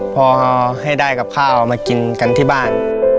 พอให้ได้กับข้าวมากินกันที่บ้าน